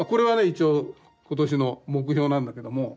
一応今年の目標なんだけども。